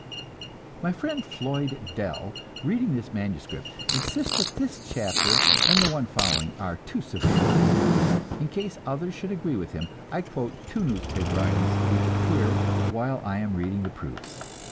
My friend Floyd Dell, reading this manuscript, insists that this chapter and the one following are too severe. In case others should agree with him, I quote two newspaper items which appear while I am reading the proofs.